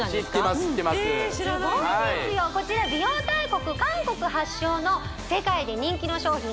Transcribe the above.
こちら美容大国韓国発祥の世界で人気の商品